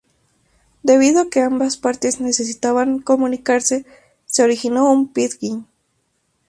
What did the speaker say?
Debido a que ambas partes necesitaban comunicarse, se originó un pidgin.